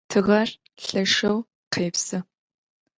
Тыгъэр лъэшэу къепсы.